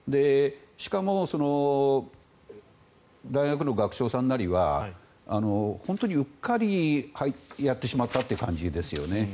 しかも、大学の学長さんなりは本当にうっかりやってしまったという感じですよね。